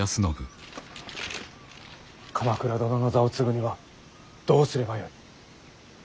鎌倉殿の座を継ぐにはどうすればよい？